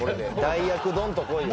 代役どんとこい。